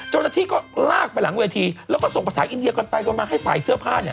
เจ้าหน้าที่ก็ลากไปหลังเวทีแล้วก็ส่งภาษาอินเดียกันไปกันมาให้ฝ่ายเสื้อผ้าเนี่ย